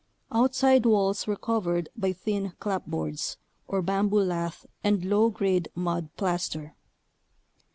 Outside walls were covered by thin clapboards or bamboo lath and low grade mud plaster.